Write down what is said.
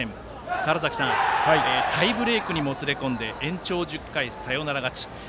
川原崎さん、タイブレークにもつれ込んで延長１０回サヨナラ勝ち。